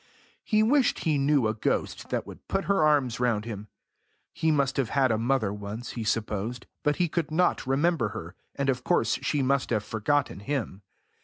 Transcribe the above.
He wished he knew a ghost that would put her arms round him. He must have had a mother once, he supposed, but he could not remember her, and of course she must have forgotten him.